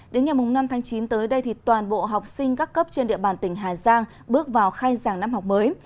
đến ngày năm tháng chín tới đây thì toàn bộ học sinh các cấp trên địa bàn tỉnh hà giang bước vào khai giảng năm học mới